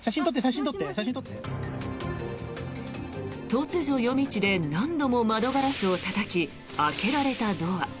突如、夜道で何度も窓ガラスをたたき開けられたドア。